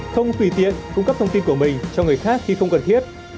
không tùy tiện cung cấp thông tin của mình cho người khác khi không cần thiết